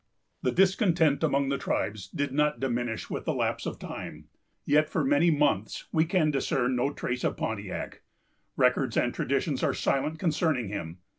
The discontent among the tribes did not diminish with the lapse of time; yet for many months we can discern no trace of Pontiac. Records and traditions are silent concerning him.